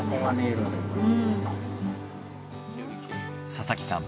佐々木さん